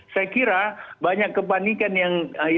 saya kira banyak kepanikan yang